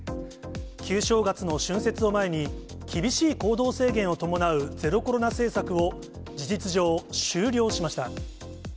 旧正月の春節を前に、厳しい行動制限を伴うゼロコロナ政策を、事実上、終了しました。